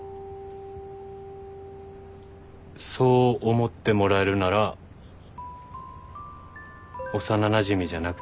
そう思ってもらえるなら幼なじみじゃなくてよかったのかも。